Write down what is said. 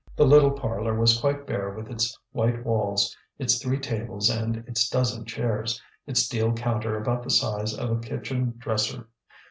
The little parlour was quite bare with its white walls, its three tables and its dozen chairs, its deal counter about the size of a kitchen dresser.